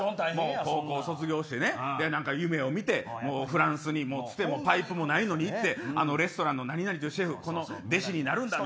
高校卒業して夢を見てフランスにつてもパイプもないのに行ってレストランのシェフの弟子になる。